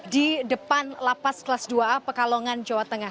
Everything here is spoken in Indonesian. di depan lapas kelas dua a pekalongan jawa tengah